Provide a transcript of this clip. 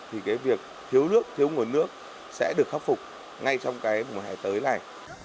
thì việc thiếu nước thiếu nguồn nước sẽ được khắc phục ngay trong mùa hè tới này